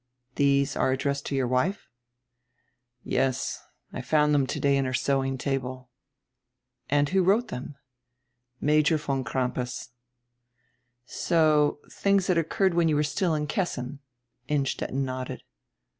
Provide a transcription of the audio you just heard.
"These are addressed to your wife?" "Yes. I found diem today in her sewing table." "And who wrote diem?" "Major von Crampas." "So, tilings that occurred when you were still in Kes sin?" Innstetten nodded.